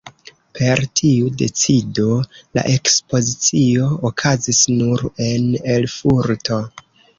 Per tiu decido la ekspozicio okazis nur en Erfurto.